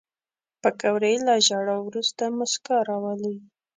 پکورې له ژړا وروسته موسکا راولي